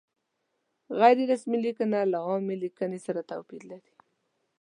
غیر رسمي لیکنه له عامې لیکنې سره توپیر لري.